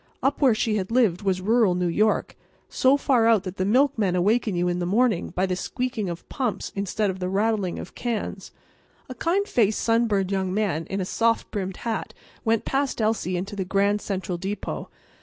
Up where she had lived was rural New York, so far out that the milkmen awaken you in the morning by the squeaking of pumps instead of the rattling of cans. A kind faced, sunburned young man in a soft brimmed hat went past Elsie into the Grand Central Depot.